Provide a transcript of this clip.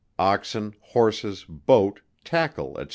Oxen, Horses, Boat, tackle, &c.